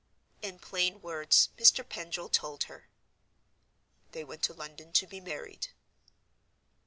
In plain words, Mr. Pendril told her: "They went to London to be married."